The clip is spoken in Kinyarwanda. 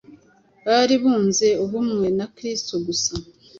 bari bunze ubumwe na Kristo gusa